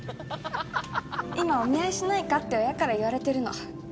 今「お見合いしないか」って親から言われてるの。